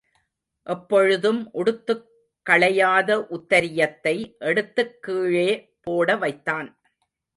எப்பொழுதும் உடுத்துக் களையாத உத்தரியத்தை எடுத்துக் கீழே போட வைத்தான்.